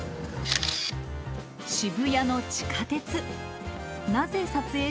渋谷の地下鉄。